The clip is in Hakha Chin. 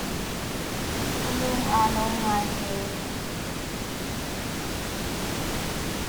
Ka lung aa lawm ngaite.